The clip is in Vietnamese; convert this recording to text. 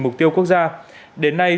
mục tiêu quốc gia đến nay